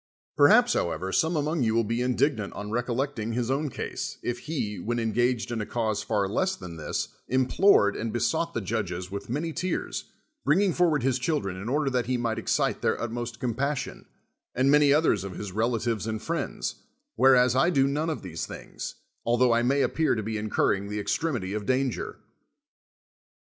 Perhaps, how ever, some among you will l)e indignant on rec ollecting his own case, if he, when engaged in a cause far less than this, implored and besought the judges with many tears, bringing forward his children in order that he might excite their utmost compassion, and many others of his rela tives and friends, whereas I do none of these things, altho I may appear to be incurring the extremity of danger.